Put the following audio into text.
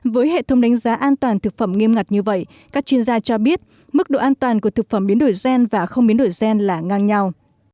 với hệ thống đánh giá an toàn thực phẩm nghiêm ngặt như vậy các chuyên gia cho biết mức độ an toàn của thực phẩm biến đổi gen và không biến đổi gen là ngang nhau